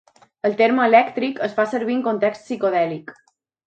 El terme "elèctric" es fa servir en context psicodèlic.